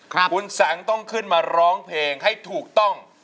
คุณสังต้องขึ้นมาร้องเพลงให้ถูกต้อง